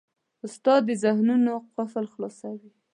استاد د ذهنونو قفل خلاصوي.